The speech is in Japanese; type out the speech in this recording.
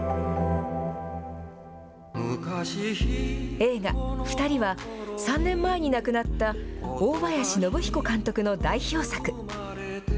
映画、ふたりは、３年前に亡くなった大林宣彦監督の代表作。